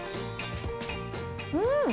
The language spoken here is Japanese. うん。